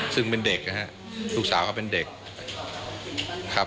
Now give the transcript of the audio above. ซึ่งเป็นเด็กนะฮะลูกสาวเขาเป็นเด็ก